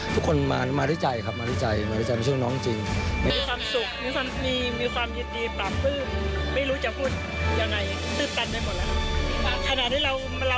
ตื่นตันได้หมดแล้วขนาดที่เราไม่ใช่ผู้ประคองทั้ง๑๓ชีวิตเนอะ